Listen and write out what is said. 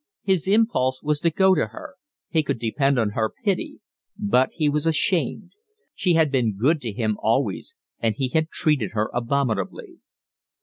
His impulse was to go to her; he could depend on her pity; but he was ashamed: she had been good to him always, and he had treated her abominably.